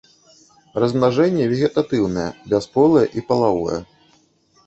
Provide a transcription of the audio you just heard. Размнажэнне вегетатыўнае, бясполае і палавое.